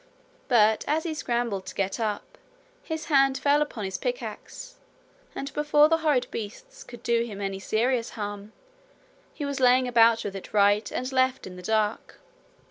But as he scrambled to get up, his hand fell upon his pickaxe, and before the horrid beasts could do him any serious harm, he was laying about with it right and left in the dark.